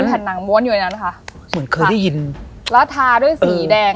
แผ่นหนังม้วนอยู่ในนั้นนะคะเหมือนเคยได้ยินแล้วทาด้วยสีแดง